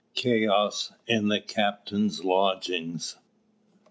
CHAOS IN THE CAPTAIN'S LODGINGS.